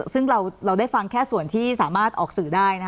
ซึ่งเราได้ฟังแค่ส่วนที่สามารถออกสื่อได้